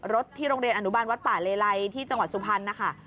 ที่โรงเรียนอนุบาลวัดป่าเลไลที่จังหวัดสุพรรณนะคะ